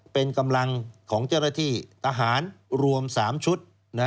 เป็นกำลังของเจ้าหน้าที่ทหารรวม๓ชุด